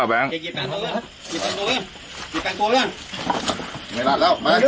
มันอบอย่างเฮ้ย